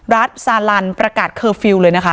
รัฐซาลันประกาศเคอร์ฟิลล์เลยนะคะ